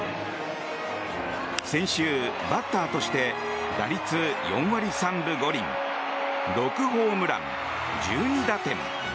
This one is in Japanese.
先週、バッターとして打率４割３分５厘６ホームラン、１２打点。